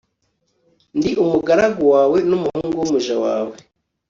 ndi umugaragu wawe n'umuhungu w'umuja wawe